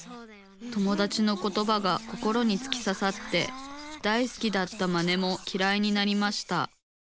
友だちのことばが心につきささって大好きだったマネもきらいになりました。